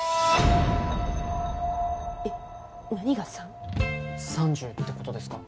えっ何が３？３０って事ですか？